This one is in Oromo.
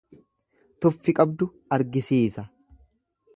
Tuffi qabdu agarsiisa.